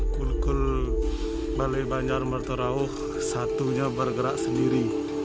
kulkul balai banjar merta rauh satunya bergerak sendiri